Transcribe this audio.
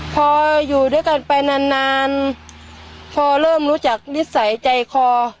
พออยู่ด้วยกันไปนานนานพอเริ่มรู้จักนิสัยใจคอ